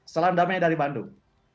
salam damai dari bandung